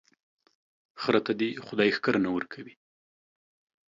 خره ته دي خداى ښکر نه ور کوي،